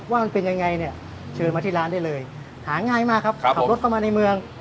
ว่ามันเป็นยังไงเนี่ยเชิญมาที่ร้านได้เลยหาง่ายมากครับขับรถเข้ามาในเมือง